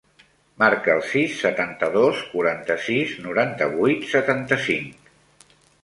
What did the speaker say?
Marca el sis, setanta-dos, quaranta-sis, noranta-vuit, setanta-cinc.